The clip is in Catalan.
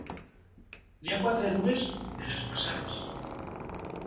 N'hi ha quatre dues de les façanes.